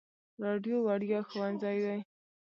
راډیو وړیا ښوونځی دی.